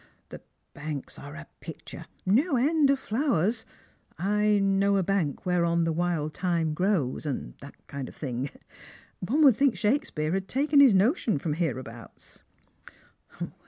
The banks are a picture — no end of flowers—' I know a bank whereon the wild thyme grows,' and that kind of thing. One would think Shakespeare had taken his notion from here abouts."